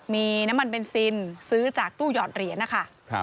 มีน้ำมันเบนซินซื้อจากตู้หยอดเหรียญนะคะ